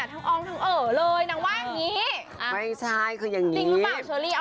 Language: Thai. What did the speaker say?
พลอยเนี่ยทั้งอ้องทั้งเอ๋อกเลย